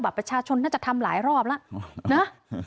ประชาชนน่าจะทำหลายรอบแล้วนะ